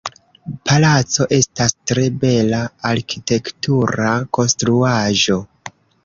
Palaco estas tre bela arkitektura konstruaĵo.